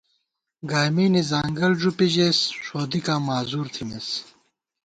گائیمېنےځانگل ݫُپی ژېس، ݭودِکاں معذور تھِمېس